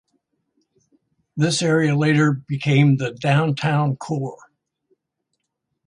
This area later became the Downtown Core.